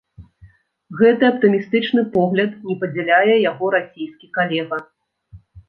Гэты аптымістычны погляд не падзяляе яго расійскі калега.